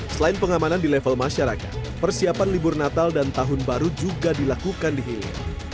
selain pengamanan di level masyarakat persiapan libur natal dan tahun baru juga dilakukan di hilir